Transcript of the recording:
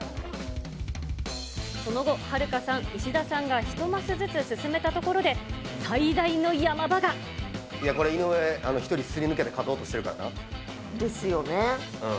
その後、はるかさん、石田さんが１マスずつ進めたところで、いやこれ、井上１人すり抜けですよね。